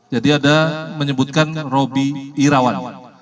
jadi ada menyebutkan robi irawan